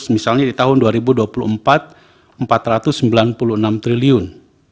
misalnya di tahun dua ribu dua puluh empat empat ratus sembilan puluh enam triliun